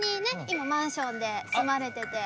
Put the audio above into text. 今マンションで住まれてて。